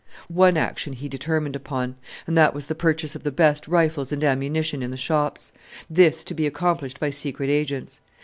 One action he determined upon, and that was the purchase of the best rifles and ammunition in the shops: this to be accomplished by secret agents.